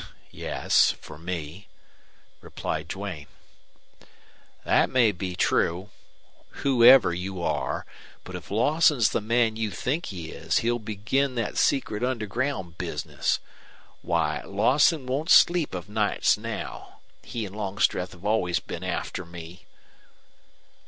"Yes, for me," replied Duane. "That may be true whoever you are but if Lawson's the man you think he is he'll begin thet secret underground bizness. Why, Lawson won't sleep of nights now. He an' Longstreth have always been after me."